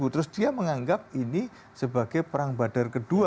terus dia menganggap ini sebagai perang badar kedua